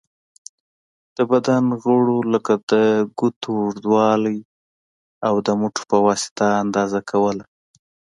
د بدن غړیو لکه د ګوتو اوږوالی، او د مټو په واسطه اندازه کوله.